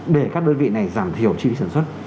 để các đơn vị này giảm thiểu chi phí sản xuất